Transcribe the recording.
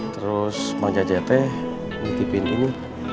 terus mang jajak itu menitipin ini